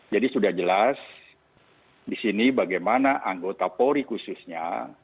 jadi sudah jelas di sini bagaimana anggota polri khususnya